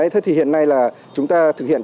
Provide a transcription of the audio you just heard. thế thì hiện nay là chúng ta thực hiện